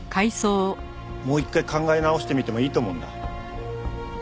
もう一回考え直してみてもいいと思うんだ。